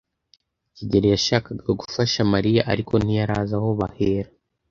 kigeli yashakaga gufasha Mariya, ariko ntiyari azi aho bahera.